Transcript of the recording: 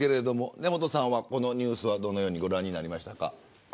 根本さんは、このニュースどのようにご覧になりましたか。